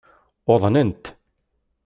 Uḍnent.